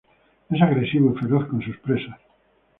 Es agresivo y feroz con sus presas.